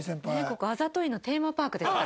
ここあざといのテーマパークですから。